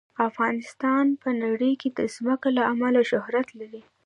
افغانستان په نړۍ کې د ځمکه له امله شهرت لري.